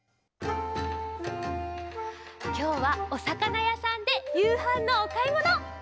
きょうはおさかなやさんでゆうはんのおかいもの。